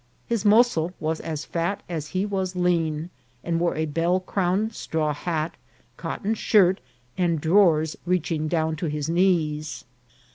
His mozo was as fat as he was lean, and wore a bell crowned straw hat, cotton shirt, and drawers reaching down to his knees.